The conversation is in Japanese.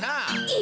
え！？